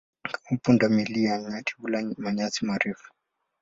Kama punda milia, nyati hula manyasi marefu.